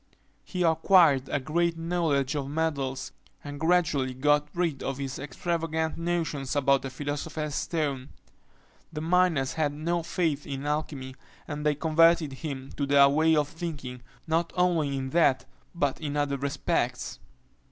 He acquired a great knowledge of metals, and gradually got rid of his extravagant notions about the philosopher's stone. The miners had no faith in alchymy; and they converted him to their way of thinking, not only in that but in other respects.